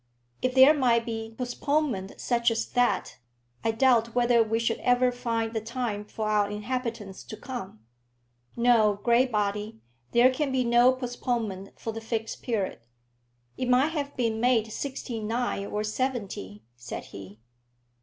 If there might be postponement such as that, I doubt whether we should ever find the time for our inhabitants to come. No, Graybody; there can be no postponement for the Fixed Period." "It might have been made sixty nine or seventy," said he.